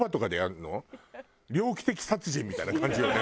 猟奇的殺人みたいな感じよね